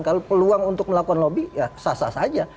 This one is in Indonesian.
kalau peluang untuk melakukan lobby ya sah sah saja